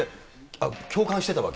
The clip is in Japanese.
共感してたわけ？